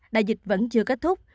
đại dịch vẫn chưa kết thúc